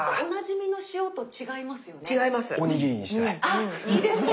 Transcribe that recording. あいいですね。